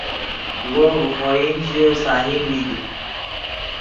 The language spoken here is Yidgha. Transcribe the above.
وو ڤے خوئن ژے سہی نیگ